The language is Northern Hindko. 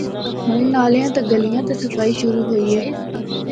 ہونڑ نالیاں تے گلیاں دی صفائی شروع ہوئی ہے۔